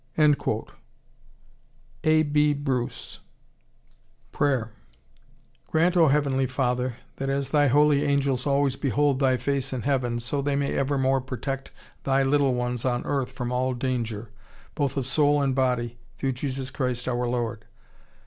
(A. B. Bruce.) PRAYER Grant, O Heavenly Father, that as Thy holy angels always behold Thy face in heaven, so they may evermore protect Thy little ones on earth from all danger, both of soul and body, through Jesus Christ, our Lord.